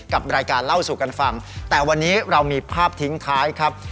กับรายการเล่าสู่กันฟังแต่วันนี้เรามีภาพทิ้งท้ายครับ